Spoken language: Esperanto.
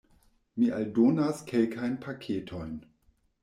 Mi aldonas kelkajn paketojn: